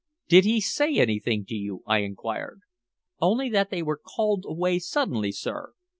"Did she say anything to you?" I inquired. "Only that they were called away suddenly, sir.